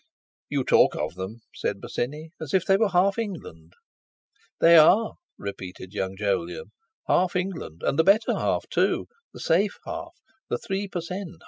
"You talk of them," said Bosinney, "as if they were half England." "They are," repeated young Jolyon, "half England, and the better half, too, the safe half, the three per cent.